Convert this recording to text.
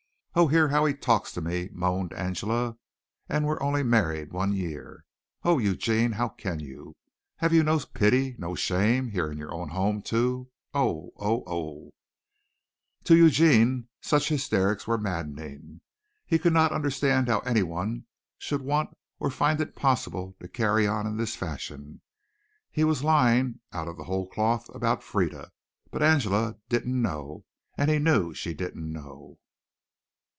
"Oh, hear how he talks to me," moaned Angela, "and we're only married one year! Oh, Eugene, how can you? Have you no pity, no shame? Here in your own home, too! Oh! oh! oh!" To Eugene such hysterics were maddening. He could not understand how anyone should want or find it possible to carry on in this fashion. He was lying "out of the whole cloth" about Frieda, but Angela didn't know and he knew she didn't know.